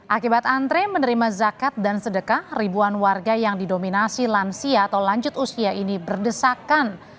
akibat antre menerima zakat dan sedekah ribuan warga yang didominasi lansia atau lanjut usia ini berdesakan